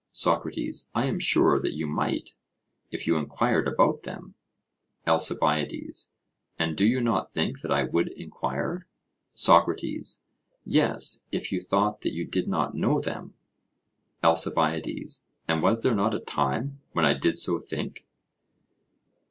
SOCRATES: I am sure that you might, if you enquired about them. ALCIBIADES: And do you not think that I would enquire? SOCRATES: Yes; if you thought that you did not know them. ALCIBIADES: And was there not a time when I did so think?